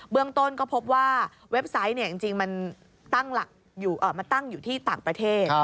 เบื้องต้นก็พบว่าเว็บไซต์จริงมันตั้งอยู่ที่ต่างประเทศ